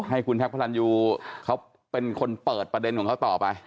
ให้คุณแท็กพระรันยูเขาเป็นคนเปิดประเด็นของเขาต่อไป